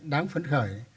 đáng phấn khởi